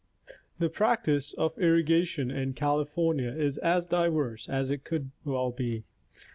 The practice of irrigation in California is as diverse as it could well be.